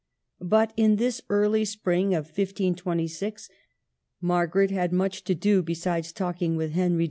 But in this early spring of 1526 Margaret had much to do beside talking with Henry